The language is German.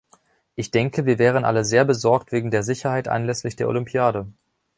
Ich denke, wir wären alle sehr besorgt wegen der Sicherheit anlässlich der Olympiade.